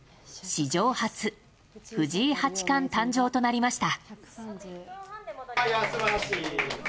史上初藤井八冠誕生となりました。